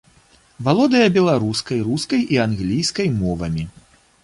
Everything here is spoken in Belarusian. Валодае беларускай, рускай і англійскай мовамі.